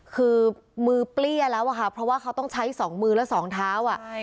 คือมือเปรี้ยแล้วอะค่ะเพราะว่าเขาต้องใช้๒มือและสองเท้า